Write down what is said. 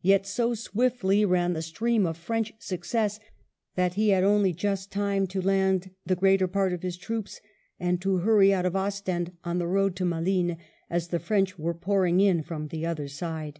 Yet so swiftly ran the stream of French success that he had only just time to land the greater part of his troops, and to hurry out of Ostend on the road to Malines as the French were pouring in from the other side.